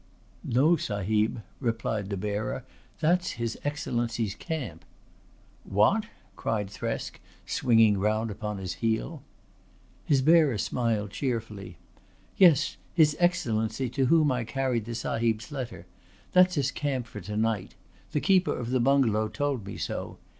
"No, Sahib," replied the bearer. "That's his Excellency's camp." "What!" cried Thresk, swinging round upon his heel. His bearer smiled cheerfully. "Yes. His Excellency to whom I carried the Sahib's letter. That's his camp for to night. The keeper of the bungalow told me so.